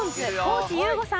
地優吾さん。